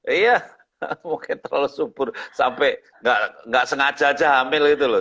iya mungkin terlalu subur sampai nggak sengaja aja hamil itu loh